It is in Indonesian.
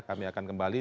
kami akan kembali